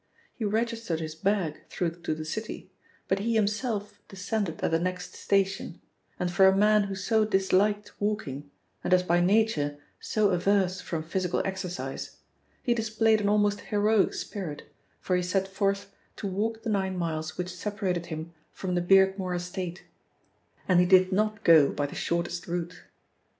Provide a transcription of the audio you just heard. He registered his bag through to the city, but he himself descended at the next station, and for a man who so disliked walking, and as by nature so averse from physical exercise, he displayed an almost heroic spirit, for he set forth to walk the nine miles which separated him from the Beardmore estate and he did not go by the shortest route.